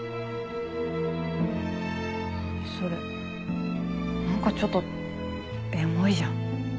それなんかちょっとエモいじゃん。